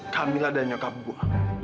kamila dan nyokap gue